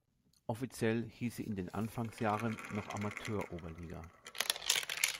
Offiziell hieß sie in den Anfangsjahren noch Amateur-Oberliga.